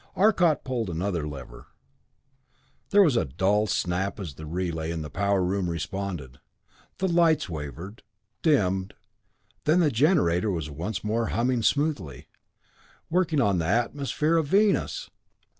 Arcot pulled another lever there was a dull snap as a relay in the power room responded the lights wavered dimmed then the generator was once more humming smoothly working on the atmosphere of Venus!